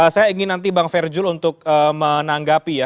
saya ingin nanti bang ferjul untuk menanggapi ya